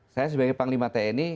saya sebagai panglima tni